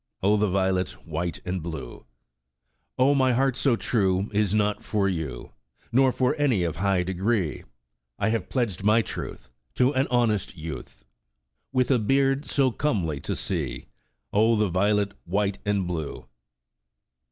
Oh, the violet, white and blue! 'Oh, my heart so true Is not for vou. Nor for any of high degree ; I have pledged my truth, To an honest youth, With a beard so comely to see.' Oh, the violet, white and blue